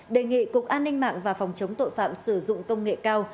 đề nghị cục an ninh mạng và phòng chống tội phạm sử dụng công nghệ cao